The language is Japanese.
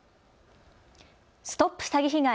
ＳＴＯＰ詐欺被害！